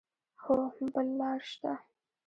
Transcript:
هو، بل لار شته